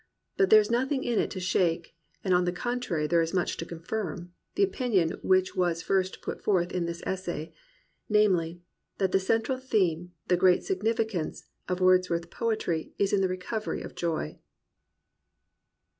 But there is nothing in it to shake, and on the contrary there is much to confirm, the opinion which was first put forth in this essay: namely, that the central theme, the great signif icance, of Wordsworth's poetry is the recovery of joy.